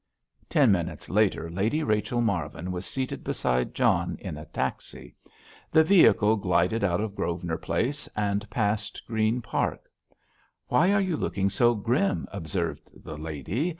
Ten minutes later Lady Rachel Marvin was seated beside John in a taxi. The vehicle glided out of Grosvenor Place and passed Green Park. "Why are you looking so grim?" observed the lady.